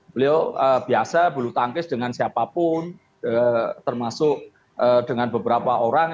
beliau biasa bulu tangkis dengan siapapun termasuk dengan beberapa orang